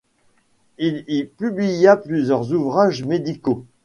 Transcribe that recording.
Il y publia plusieurs ouvrages médicaux.